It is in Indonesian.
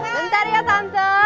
bentar ya tante